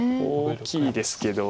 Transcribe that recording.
大きいですけど。